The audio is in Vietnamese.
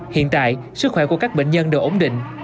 hiện tại sức khỏe của các bệnh nhân đều ổn định